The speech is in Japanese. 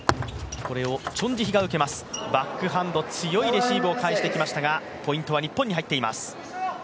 バックハンド、強いレシーブを返していきましたがポイントは日本に入っています。